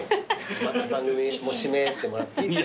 番組締めてもらっていいですか？